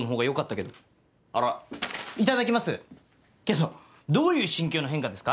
けどどういう心境の変化ですか？